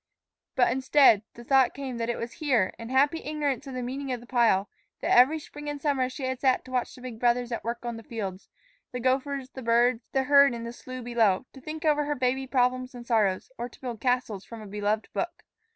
But instantly the thought came that it was here, in happy ignorance of the meaning of the pile, that every spring and summer she had sat to watch the big brothers at work in the fields, the gophers, the birds, the herd in the slough below; to think over her baby problems and sorrows; or to build castles from a beloved book.